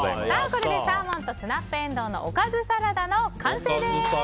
これでサーモンとスナップエンドウのおかずサラダ完成です。